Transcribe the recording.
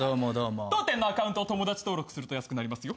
当店のアカウントを友達登録すると安くなりますよ。